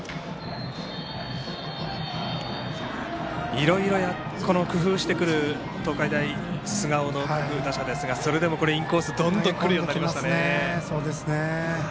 いろいろ工夫してくる東海大菅生の打者ですがそれでもインコースどんどん来るようになりました。